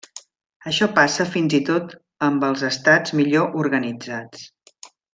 Això passa fins i tot amb els estats millor organitzats.